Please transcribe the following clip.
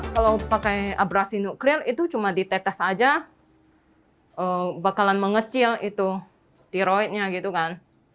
kalau pakai abrasi nuklir itu cuma ditetes aja bakalan mengecil itu steroidnya gitu kan